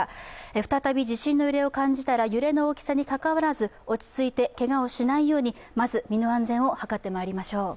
再び地震の揺れを感じたら、揺れの大きさにかかわらずけがをしないように、まず身の安全を図ってまいりましょう。